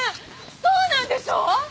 そうなんでしょう！？